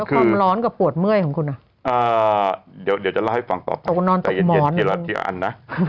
แล้วความร้อนกับปวดเมื่อยของคุณตกนอนตกหมอน